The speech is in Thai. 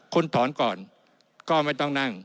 คุณถอนก่อนก็ไม่ต้องนั่ง